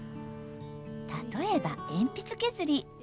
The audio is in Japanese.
例えば鉛筆削り。